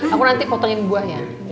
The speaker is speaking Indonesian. aku nanti potongin buahnya